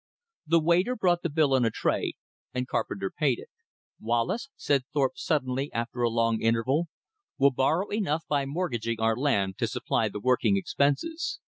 The waiter brought the bill on a tray, and Carpenter paid it. "Wallace," said Thorpe suddenly after a long interval, "we'll borrow enough by mortgaging our land to supply the working expenses.